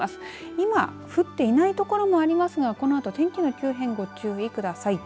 今、降っていないところもありますが、このあと天気の急変ご注意ください。